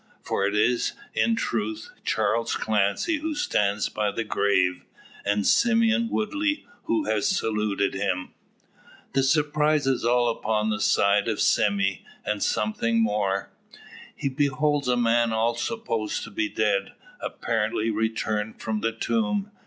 For it is, in truth, Charles Clancy who stands by the grave, and Simeon Woodley who has saluted him. The surprise is all upon the side of Sime, and something more. He beholds a man all supposed to be dead, apparently returned from the tomb!